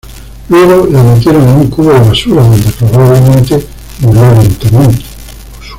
Luego la metieron en un cubo de basura, donde probablemente murió lentamente.